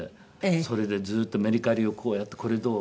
それでずっとメルカリをこうやってこれどう？